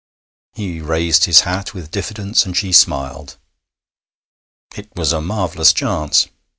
He raised his hat with diffidence, and she smiled. It was a marvellous chance.